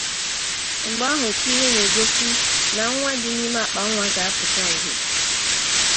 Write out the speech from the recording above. Mgbe ahụ ka ihe n’egosi na nwa dị n’ime akpa nwa ga-aputa ihe.